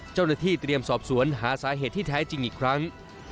เจ้าหน้าที่เตรียมสอบสวนหาสาเหตุที่แท้จริงอีกครั้ง